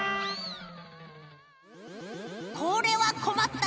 これはこまった。